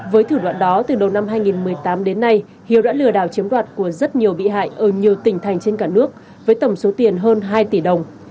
với thử đoạn đó từ đầu năm hai nghìn một mươi tám đến nay hiếu đã lừa đảo chiếm đoạt của rất nhiều bị hại ở nhiều tỉnh thành trên cả nước với tổng số tiền hơn hai tỷ đồng